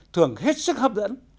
thường hết sức hấp dẫn